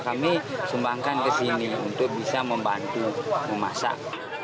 kami sumbangkan ke sini untuk bisa membantu memasak